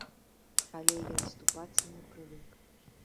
Але я адступацца не прывык.